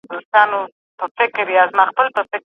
ماشومانو هره ورځ پوښتني کولي.